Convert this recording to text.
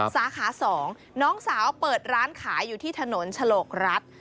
สาขา๒น้องสาวเปิดร้านขายอยู่ที่ถนนฉลกรัฐ